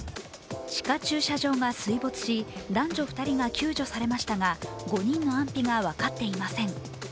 地下駐車場が水没し男女２人が救助されましたが５人の安否が分かっていません。